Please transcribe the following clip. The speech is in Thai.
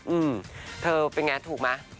อืมเธอเป็นอย่างไรถูกไหม